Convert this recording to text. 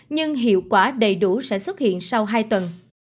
nhưng hiệu quả đầy đủ sẽ xuất hiện sau hai tuần